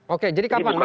oke jadi kapan masuk